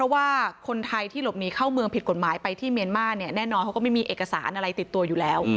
ว่าคนไทยที่หลบหนีเข้าเมืองผิดกฎหมายไปที่เมียนมาร์เนี่ยแน่นอนเขาก็ไม่มีเอกสารอะไรติดตัวอยู่แล้ว